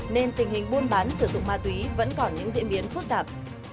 nên tình hình buôn bán sử dụng ma túy vẫn còn những diễn biến phức tạp